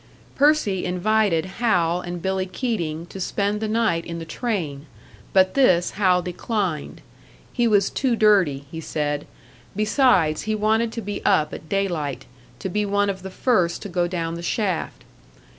Percy invited Hal and Billy Keating to spend the night in the train; but this Hal declined. He was too dirty, he said; besides, he wanted to be up at daylight, to be one of the first to go down the shaft.